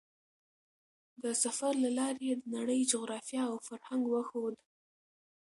د سفر له لارې یې د نړۍ جغرافیه او فرهنګ وښود.